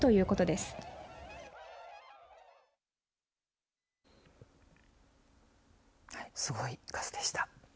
すごい数でした。